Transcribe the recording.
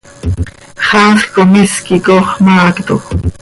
Xaasj com is quih coox maactoj.